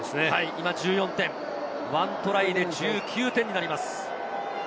今１４点、１トライで１９点になります。